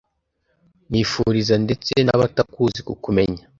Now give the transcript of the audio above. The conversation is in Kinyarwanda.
nifuriza ndetse n'abatakuzi kukumenya ;